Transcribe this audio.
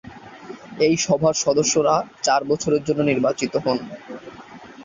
এই সভার সদস্যরা চার বছরের জন্য নির্বাচিত হন।